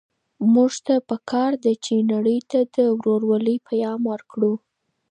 موږ ته په کار ده چي نړۍ ته د ورورولۍ پيغام ورکړو.